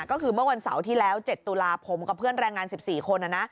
ก็คือเมื่อวันเสาร์ที่แล้ว๗ตุลาผมกับเพื่อนแรงงาน๑๔คน